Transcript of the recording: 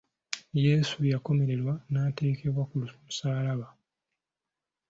Yesu yakomererwa n’ateekebwa ku musaalaba.